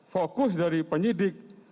fokus dari penyidik